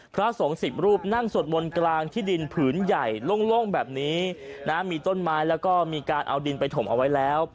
พระสงฆ์๑๐รูปนั่งสวดมนต์กลางที่ดินผืนใหญ่โล่งแบบนี้นะมีต้นไม้แล้วก็มีการเอาดินไปถมเอาไว้แล้ว